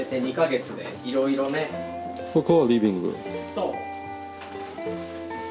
そう。